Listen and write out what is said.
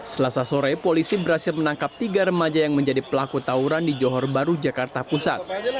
selasa sore polisi berhasil menangkap tiga remaja yang menjadi pelaku tawuran di johor baru jakarta pusat